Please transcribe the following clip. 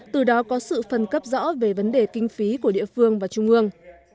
từ đó có sự phân cấp rõ về vấn đề kinh phí của địa phương và trung ương